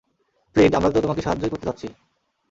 Flint, আমরা তো তোমাকে সাহায্যই করতে চাচ্ছি!